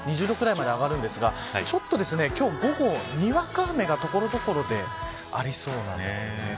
２０度くらいまで上がるんですがちょっと今日は午後、にわか雨が所々でありそうなんです。